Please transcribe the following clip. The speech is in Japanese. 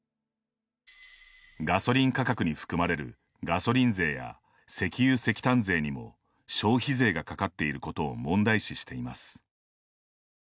ガソリン価格に含まれるガソリン税や石油石炭税にも消費税がかかっていることを問題視しています。